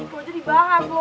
itu jadi banget lho